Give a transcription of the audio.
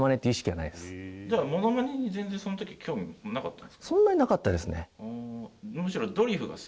じゃあモノマネに全然その時興味なかったんですか？